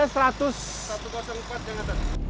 satu ratus empat yang ada